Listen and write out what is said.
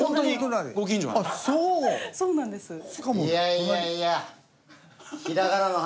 いやいやいや！